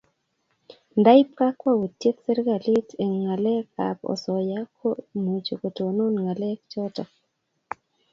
Nda ip kabkwautiet serikalit eng' ngalek ab asoya ko muchi kotonon ngalek chotok